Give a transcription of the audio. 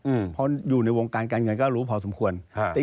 อืมเพราะอยู่ในวงการการเงินก็รู้พอสมควรฮะ